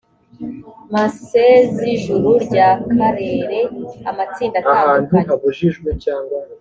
massez ijuru ry akarere amatsinda atandukanye